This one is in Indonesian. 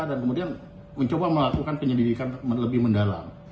dan kemudian mencoba melakukan penyelidikan lebih mendalam